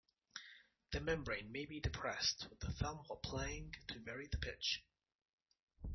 The membrane may be depressed with the thumb while playing to vary the pitch.